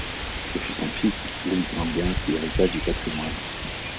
Ce fut son fils, Louis Sanguin qui hérita du patrimoine.